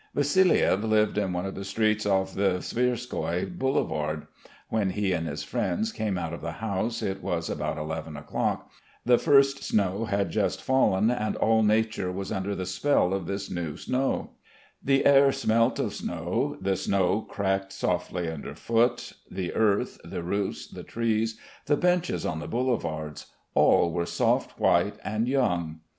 Vassiliev lived in one of the streets off the Tverskoi boulevard. When he and his friends came out of the house it was about eleven o'clock the first snow had just fallen and all nature was under the spell of this new snow; The air smelt of snow, the snow cracked softly under foot, the earth, the roofs, the trees, the benches on the boulevards all were soft, white, and young.